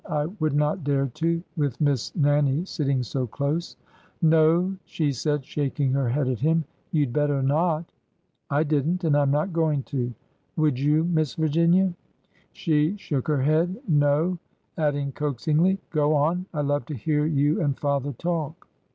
I would not dare to, with Miss Nannie sitting so close." No !" she said, shaking her head at him ;'' you 'd better not !" I did n't ! and I 'm not going to ! Would you. Miss Virginia ?" She shook her head. No." Adding coaxingly :'' Go on ! I love to hear you and father talk."